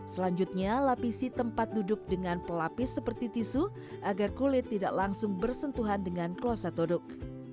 selanjutnya lapisi tempat duduk dengan pelapis seperti tisu agar kulit tidak langsung bersentuhan dengan kloset duduk